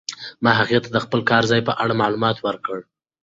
ما هغې ته د خپل کار ځای په اړه معلومات ورکړل.